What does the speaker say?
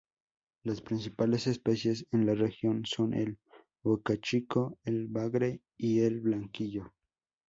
Las principales especies en la región son: el bocachico, el bagre y el blanquillo.